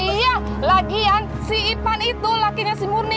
iya lagian si ipan itu lakinya si murni